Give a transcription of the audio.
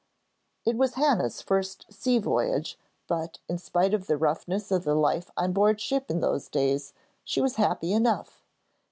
It was Hannah's first sea voyage, but, in spite of the roughness of the life on board ship in those days, she was happy enough.